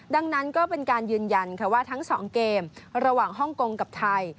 ดังนั้นก็เป็นการยืนยันว่าทั้ง๒เกมระหว่างฮ่องกงกับไทย